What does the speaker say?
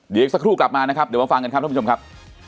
เดี๋ยวอีกสักครู่กลับมานะครับเดี๋ยวมาฟังกันครับท่านผู้ชมครับ